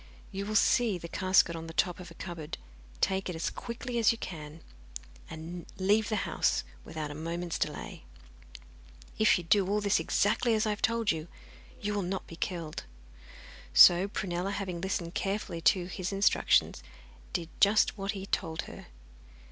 You will see the casket on the top of a cupboard, take it as quickly as you can, and leave the house without a moment's delay. If you do all this exactly as I have told you, you will not be killed.' So Prunella, having listened carefully to his instructions, did just what he had told her.